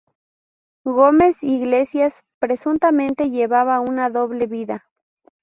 Gómez Iglesias presuntamente llevaba una doble vida.